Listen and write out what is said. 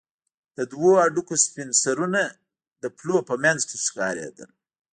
د دوو هډوکو سپين سرونه د پلو په منځ کښې ښکارېدل.